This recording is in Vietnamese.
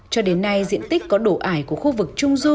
cho đến nay diện tích có đủ ải của khu vực trung du